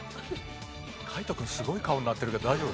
海斗君すごい顔になってるけど大丈夫？